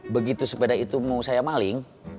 begitu sepeda itu mau saya maling